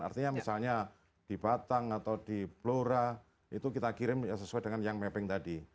artinya misalnya di batang atau di blora itu kita kirim sesuai dengan yang mapping tadi